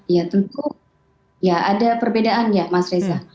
ya tentu ya ada perbedaan ya mas reza